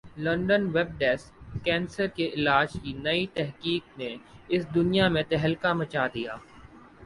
London web desk cancer کے علاج کی نئی تحقیق نے اس دنیا میں تہلکہ مچا دیا ہے